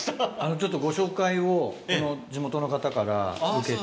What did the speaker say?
ちょっとご紹介を、この地元の方から受けて。